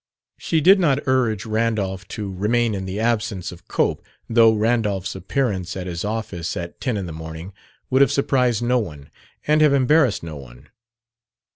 She did not urge Randolph to remain in the absence of Cope, though Randolph's appearance at his office at ten in the morning would have surprised no one, and have embarrassed no one.